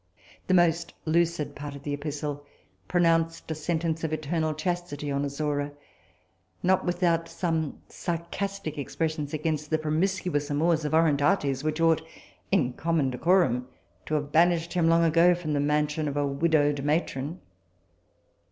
The most lucid part of the epistle pronounced a sentence of eternal chastity on Azora, not without some sarcastic expressions against the promiscuous amours of Orondates, which ought in common decorum to have banished him long ago from the mansion of a widowed matron.